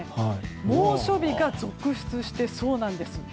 猛暑日が続出しそうなんです。